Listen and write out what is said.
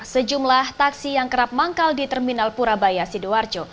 sejumlah taksi yang kerap manggal di terminal purabaya sidoarjo